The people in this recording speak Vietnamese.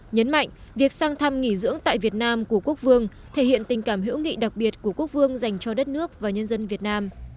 nhấn mạnh việc sang thăm nghỉ dưỡng tại việt nam của quốc vương thể hiện tình cảm hữu nghị đặc biệt của quốc vương dành cho đất nước và nhân dân việt nam